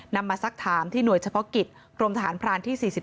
มาสักถามที่หน่วยเฉพาะกิจกรมทหารพรานที่๔๔